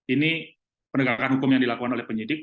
ini penegakan hukum yang dilakukan oleh penyidik